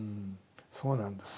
そうなんです。